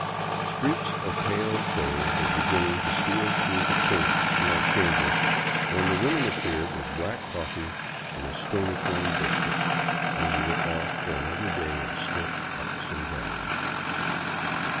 Streaks of pale day were beginning to steal through the chinks in our chamber when the woman appeared with black coffee and a stony .S6 FROM BOGOTA OVER THE QUINDIO corn biscuit, and we were off for another day of stiff ups and downs.